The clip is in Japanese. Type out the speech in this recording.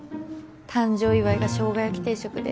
誕生祝いがしょうが焼き定食で？